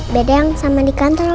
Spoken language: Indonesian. beda yang sama di kantor